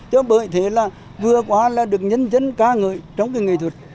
chứ bởi thế là vừa quá là được nhân dân ca người trong cái nghệ thuật